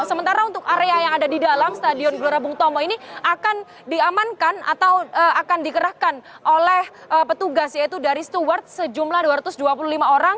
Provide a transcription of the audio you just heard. sementara untuk area yang ada di dalam stadion gelora bung tomo ini akan diamankan atau akan dikerahkan oleh petugas yaitu dari steward sejumlah dua ratus dua puluh lima orang